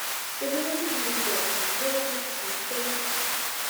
The village of Minidoka grew up next to the station.